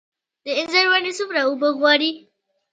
د انځر ونې څومره اوبه غواړي؟